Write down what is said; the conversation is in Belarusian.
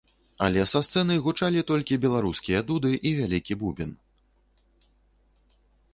Але са сцэны гучалі толькі беларускія дуды і вялікі бубен!